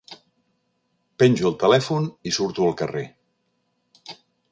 Penjo el telèfon i surto al carrer.